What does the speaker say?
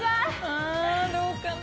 あどうかな？